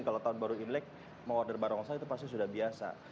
kalau tahun baru imlek mau order barongsai itu pasti sudah biasa